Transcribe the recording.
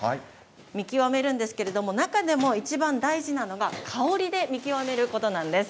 見極めるんですけれども、中でも一番大事なのが香りで見極めることなんです。